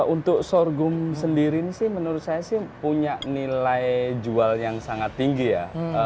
untuk sorghum sendiri ini sih menurut saya sih punya nilai jual yang sangat tinggi ya